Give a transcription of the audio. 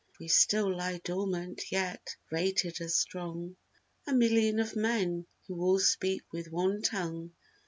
If we still lie dormant, yet, rated as strong. A million of men who all speak with one tongue.